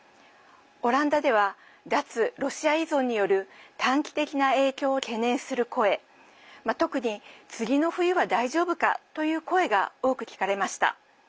オランダでは脱ロシア依存による短期的な影響を懸念する声特に次の冬は大丈夫かという声が多く聞かれました。